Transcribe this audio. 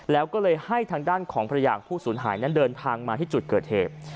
แล้วก็เลยให้ทางด้านของภรรยาของผู้สูญหายนั้นเดินทางมาที่จุดเกิดเหตุ